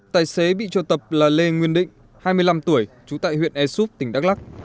tài xế bị triệu tập là lê nguyên định hai mươi năm tuổi trú tại huyện esup tỉnh đắk lắc